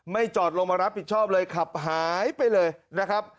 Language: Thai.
จอดลงมารับผิดชอบเลยขับหายไปเลยนะครับ